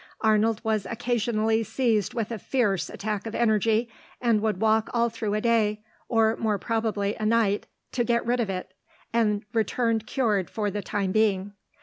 Arnold was occasionally seized with a fierce attack of energy, and would walk all through a day, or more probably a night, to get rid of it, and return cured for the time being.